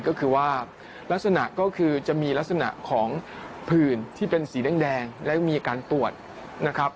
ก็คือว่าลักษณะก็คือจะมีลักษณะของผื่นที่เป็นสีแดงและมีอาการตรวจนะครับ